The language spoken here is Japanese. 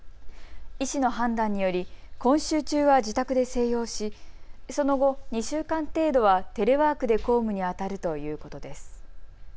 医師の判断により今週中は自宅で静養しその後、２週間程度はテレワークで公務にあたるということです。